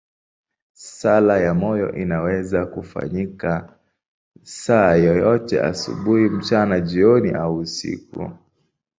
Sala ya moyo inaweza kufanyika saa yoyote, asubuhi, mchana, jioni au usiku.